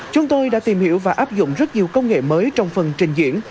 chúng tôi đã tìm hiểu và áp dụng rất nhiều công nghệ mới trong phần trình diễn